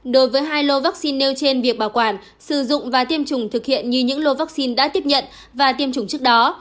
đối với hai lô vaccine nêu trên việc bảo quản sử dụng và tiêm chủng thực hiện như những lô vaccine đã tiếp nhận và tiêm chủng trước đó